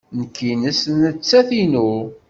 Nekk ines nettat inu.